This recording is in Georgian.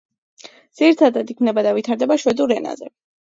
ძირითადად იქმნება და ვითარდება შვედურ ენაზე.